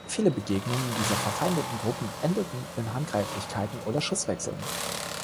Viele Begegnungen dieser verfeindeten Gruppen endeten in Handgreiflichkeiten oder Schusswechseln.